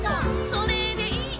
「それでいい」